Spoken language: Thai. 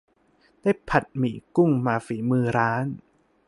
ได้ผัดหมี่กุ้งมาฝีมือร้าน